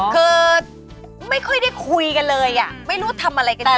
คือไม่ค่อยได้คุยกันเลยอ่ะไม่รู้ทำอะไรกันดี